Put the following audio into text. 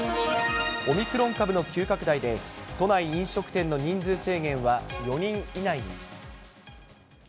オミクロン株の急拡大で、都内飲食店の人数制限は４人以内に。